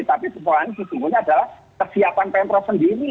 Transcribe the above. tapi persoalan itu sebetulnya adalah kesiapan pemprov sendiri